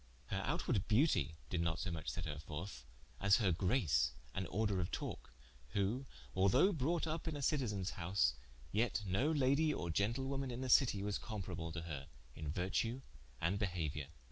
Her outward beautie did not so much set her forth, as her grace and order of talke, who although brought vp in a Citizen's house, yet no Lady or gentlewoman in the Citie, was comparable to her in vertue and behauiour.